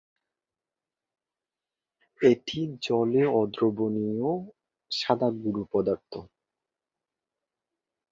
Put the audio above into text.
এটি জলে অদ্রবণীয় সাদা গুঁড়ো পদার্থ।